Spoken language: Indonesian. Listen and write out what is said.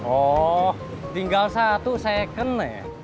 oh tinggal satu second ya